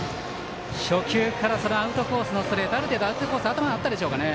初球からアウトコースのストレートある程度頭にあったでしょうかね。